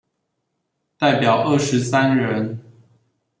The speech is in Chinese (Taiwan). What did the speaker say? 代表二十三人